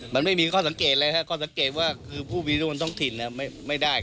มันไม่มีข้อสังเกตเลยครับข้อสังเกตว่าผู้มีอิทธิพลต้องถิ่นแล้วไม่ได้